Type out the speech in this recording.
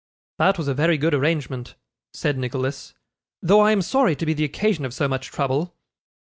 'That was a very good arrangement,' said Nicholas, 'though I am sorry to be the occasion of so much trouble.